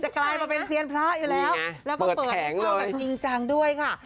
กลายมาเป็นเซียนพระอยู่แล้วแล้วก็เปิดให้เช่าแบบจริงจังด้วยค่ะ